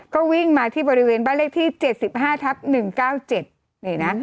ก็วิ่งมาที่บริเวณบ้านเลขที่๗๕ทับ๑๙๗นี่นะ